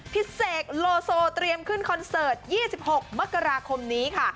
เสกโลโซเตรียมขึ้นคอนเสิร์ต๒๖มกราคมนี้ค่ะ